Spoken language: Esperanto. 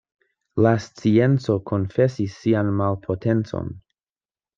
La scienco konfesis sian malpotencon.